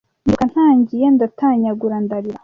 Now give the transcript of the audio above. mbyuka ntangiye ndatanyagura ndarira